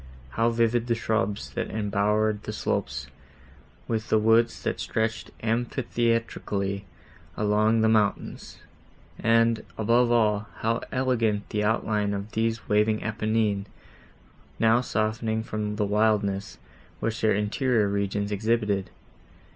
How vivid the shrubs that embowered the slopes, with the woods, that stretched amphitheatrically along the mountains! and, above all, how elegant the outline of these waving Apennines, now softening from the wildness, which their interior regions exhibited!